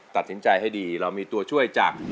ตัดสินใจให้ดีเรามีตัวช่วยจาก